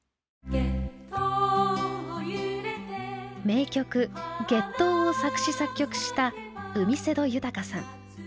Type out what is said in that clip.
名曲「月桃」を作詞作曲した海勢頭豊さん。